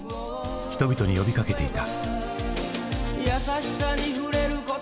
人々に呼びかけていた。